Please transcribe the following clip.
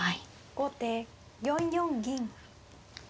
後手４四銀。